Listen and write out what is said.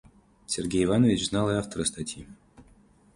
Сергей Иванович знал и автора статьи.